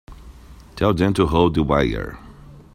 Tell them to hold the wire.